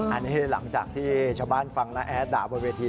อันนี้หลังจากที่ชาวบ้านฟังน้าแอดด่าบนเวที